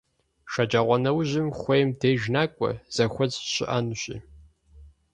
Шэджагъуэнэужьым хуейм деж накӀуэ, зэхуэс щыӀэнущи.